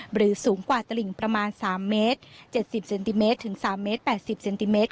หรือสูงกว่าตลิงประมาณ๓เมตร๗๐เซนติเมตรถึง๓เมตร๘๐เซนติเมตร